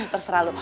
terus terang lu